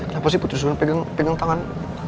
kenapa sih putri suara pegang tangan